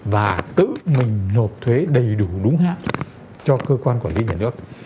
và tự mình nộp thuế đầy đủ đúng hạn cho cơ quan quản lý nhà nước